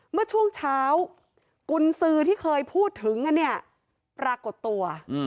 เมื่อช่วงเช้ากุญสือที่เคยพูดถึงกันเนี่ยปรากฏตัว